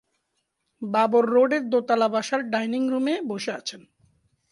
বাবর রোডের দোতলা বাসার ডাইনিং রুমে বসে আছেন।